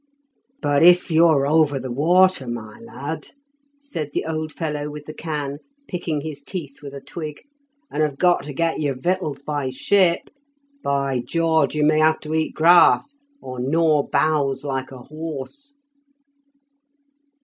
"But if you're over the water, my lad," said the old fellow with the can, picking his teeth with a twig, "and have got to get your victuals by ship; by George, you may have to eat grass, or gnaw boughs like a horse."